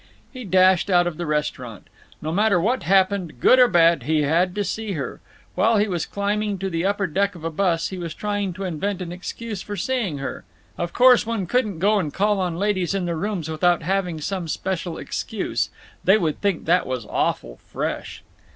He dashed out of the restaurant. No matter what happened, good or bad, he had to see her. While he was climbing to the upper deck of a bus he was trying to invent an excuse for seeing her…. Of course one couldn't "go and call on ladies in their rooms without havin' some special excuse; they would think that was awful fresh."